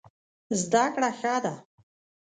زده کړه ښه ده.